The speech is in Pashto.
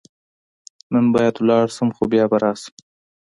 نن باید ولاړ شم، خو بیا به راشم.